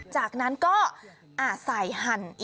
จากนั้นก็ใส่หั่นอินทภารำตามลงไป